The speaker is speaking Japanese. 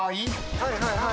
はいはいはい！